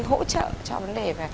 hỗ trợ cho vấn đề